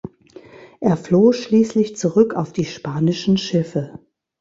Er floh schließlich zurück auf die spanischen Schiffe.